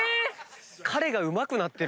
⁉彼がうまくなってるもん。